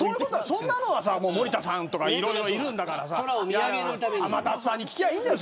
そんなのは森田さんとかいろいろいるんだから天達さんに聞けばいいんだよ